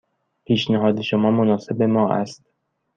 پیشنهاد شما مناسب ما است.